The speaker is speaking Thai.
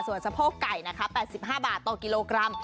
ส่วนสะโพกไก่นะคะ๘๕บาทต่อกิโลกรัม